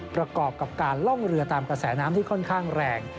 ประกอบกับการล่องเรือตามกระแสน้ำที่ค่อนข้างแรง